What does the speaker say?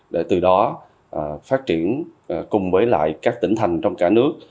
để từ đó phát triển cùng với lại các tỉnh thành trong cả nước